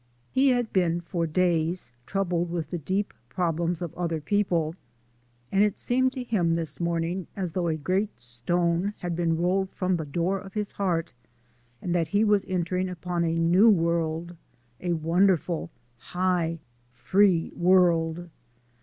He had been for days troubled with the deep problems of other people, and it seemed to him this morning as though a great stone had been rolled from the door of his heart, and that he was entering upon a new world a wonderful, high, free world.